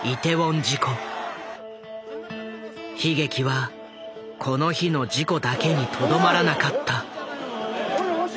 悲劇はこの日の事故だけにとどまらなかった。